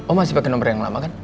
om masih pake nomer yang lama kan